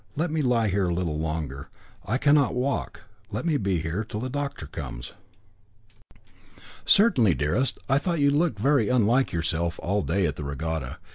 "Let me lie here a little longer. I cannot walk. Let me be here till the doctor comes." "Certainly, dearest. I thought you looked very unlike yourself all day at the regatta.